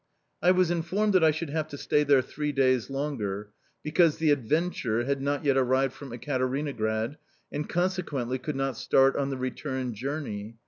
I was informed that I should have to stay there three days longer, because the "Adventure" had not yet arrived from Ekaterinograd and consequently could not start on the return journey.